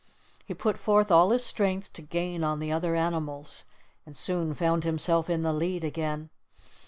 He put forth all his strength to gain on the other animals, and soon found himself in the lead again.